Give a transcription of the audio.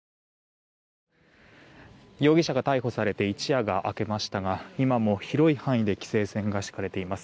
容疑者が逮捕されて一夜が明けましたが今も広い範囲で規制線が敷かれています。